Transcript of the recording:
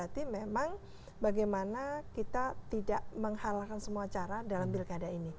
berarti memang bagaimana kita tidak menghalalkan semua cara dalam pilkada ini